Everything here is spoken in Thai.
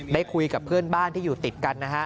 ได้คุยกับเพื่อนบ้านที่อยู่ติดกันนะฮะ